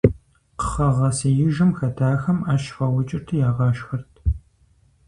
Кхъэгъэсеижым хэтахэм Ӏэщ хуаукӀырти ягъашхэрт.